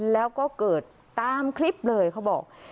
แล้วก็เกิดตามคลิปเลยเขาบอก